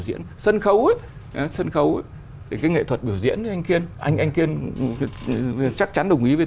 diễn sân khấu ấy sân khấu thì cái nghệ thuật biểu diễn như anh kiên anh anh kiên chắc chắn đồng ý với